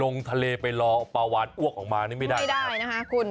ลงทะเลไปรอปลาวานอ้วกออกมานี่ไม่ได้ไม่ได้นะคะคุณ